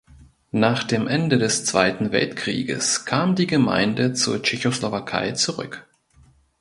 Nach dem Ende des Zweiten Weltkrieges kam die Gemeinde zur Tschechoslowakei zurück.